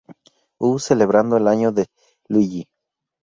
U, celebrando el año de Luigi.